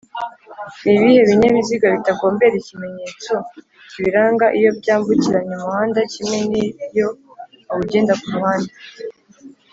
Nibihe binyabiziga bitagombera ikimenyetso kibiranga iyo byambukiranya umuhanda kimwe niyo bawugenda kuruhande